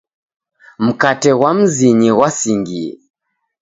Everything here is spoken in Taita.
Mkate ghwa mzinyi ghwasingie.